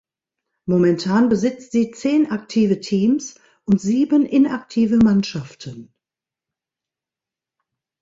Momentan besitzt sie zehn aktive Teams und sieben inaktive Mannschaften.